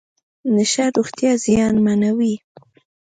نشه روغتیا زیانمنوي .